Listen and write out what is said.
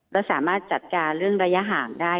เราสามารถจัดการเรื่องระยะห่างได้